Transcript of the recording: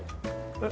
えっ？